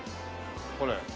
これ。